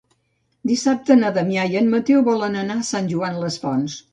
Dissabte na Damià i en Mateu volen anar a Sant Joan les Fonts.